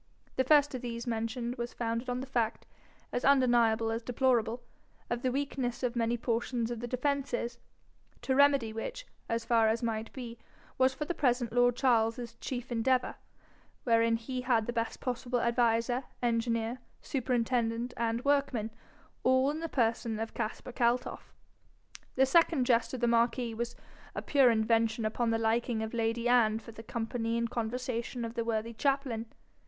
The first of these mentioned was founded on the fact, as undeniable as deplorable, of the weakness of many portions of the defences, to remedy which, as far as might be, was for the present lord Charles's chief endeavour, wherein he had the best possible adviser, engineer, superintendent, and workman, all in the person of Caspar Kaltoff. The second jest of the marquis was a pure invention upon the liking of lady Anne for the company and conversation of the worthy chaplain.